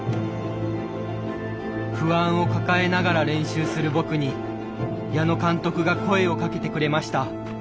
不安を抱えながら練習する僕に矢野監督が声をかけてくれました。